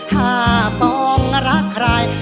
ถ้าปองรักใคร